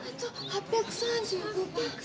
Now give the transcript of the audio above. ８３５。